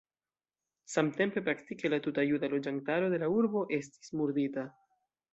Samtempe praktike la tuta juda loĝantaro de la urbo estis murdita.